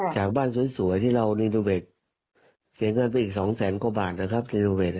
จากบ้านสวยที่เรานิโนเวท